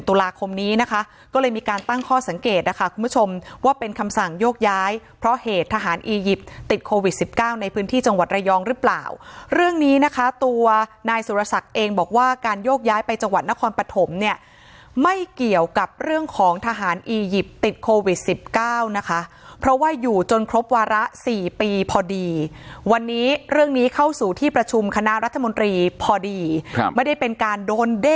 ๑ตุลาคมนี้นะคะก็เลยมีการตั้งข้อสังเกตนะคะคุณผู้ชมว่าเป็นคำสั่งโยกย้ายเพราะเหตุทหารอียิปต์ติดโควิด๑๙ในพื้นที่จังหวัดระยองหรือเปล่าเรื่องนี้นะคะตัวนายสุรศักดิ์เองบอกว่าการโยกย้ายไปจังหวัดนครปฐมเนี่ยไม่เกี่ยวกับเรื่องของทหารอียิปต์ติดโควิด๑๙นะคะเพราะว่าอยู่จนครบวาระ๔ปีพอด